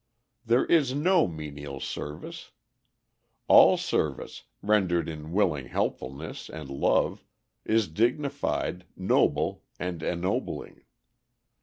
There is no menial service. All service, rendered in willing helpfulness and love, is dignified, noble, and ennobling.